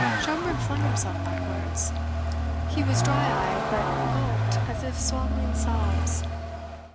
Schomberg flung himself backwards. He was dry eyed, but he gulped as if swallowing sobs.